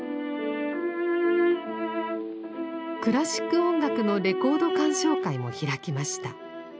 クラシック音楽のレコード鑑賞会も開きました。